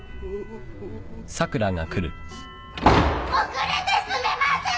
遅れてすみません！